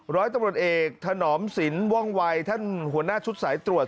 ร้อยตำรวจเอกถนอมสินว่องวัยท่านหัวหน้าชุดสายตรวจ